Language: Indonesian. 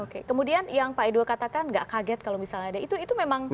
kemudian yang pak aidul katakan gak kaget kalau misalnya ada itu itu memang